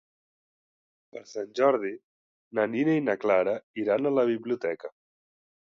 Per Sant Jordi na Nina i na Clara iran a la biblioteca.